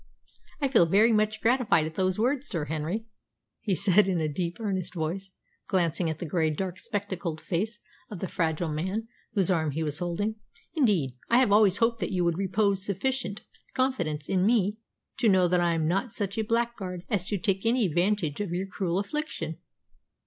"I feel very much gratified at those words, Sir Henry," he said in a deep, earnest voice, glancing at the grey, dark spectacled face of the fragile man whose arm he was holding. "Indeed, I've always hoped that you would repose sufficient confidence in me to know that I am not such a blackguard as to take any advantage of your cruel affliction."